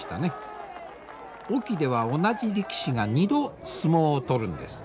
隠岐では同じ力士が２度相撲を取るんです。